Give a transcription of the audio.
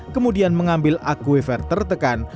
kemudian mengambil aquifer tertekan